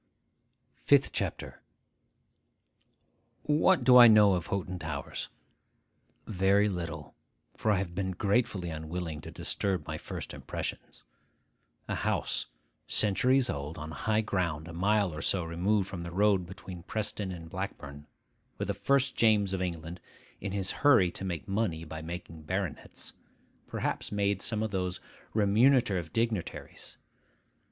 FIFTH CHAPTER WHAT do I know of Hoghton Towers? Very little; for I have been gratefully unwilling to disturb my first impressions. A house, centuries old, on high ground a mile or so removed from the road between Preston and Blackburn, where the first James of England, in his hurry to make money by making baronets, perhaps made some of those remunerative dignitaries.